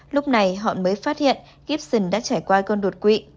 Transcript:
lúc này họ mới phát hiện gibson đã trải qua con đột quỵ